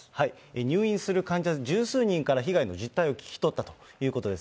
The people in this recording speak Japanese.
入院する患者十数人から被害の実態を聞き取ったということです。